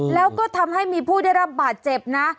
แล้วก็ทำให้มีผู้ได้รับบาดเจ็บนะ